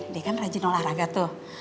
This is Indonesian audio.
dia kan rajin olahraga tuh